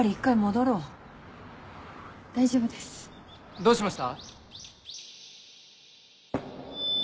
・どうしました？